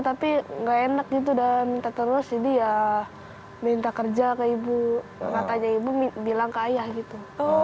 tapi nggak enak gitu dan minta terus jadi ya minta kerja ke ibu katanya ibu bilang ke ayah gitu